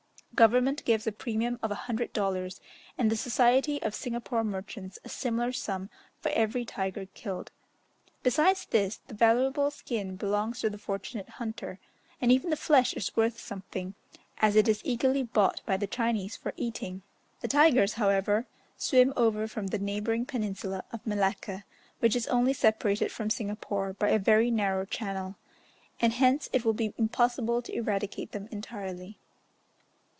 Government gives a premium of a hundred dollars, and the Society of Singapore Merchants a similar sum for every tiger killed. Besides this, the valuable skin belongs to the fortunate hunter, and even the flesh is worth something, as it is eagerly bought by the Chinese for eating. The tigers, however, swim over from the neighbouring peninsula of Malacca, which is only separated from Singapore by a very narrow channel, and hence it will be impossible to eradicate them entirely.